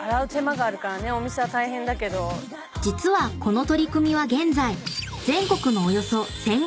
［実はこの取り組みは現在］